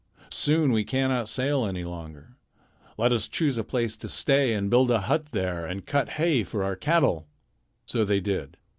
Soon we cannot sail any longer. Let us choose a place to stay and build a hut there and cut hay for our cattle." So they did.